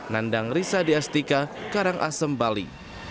nandang risa diastika karangasem bali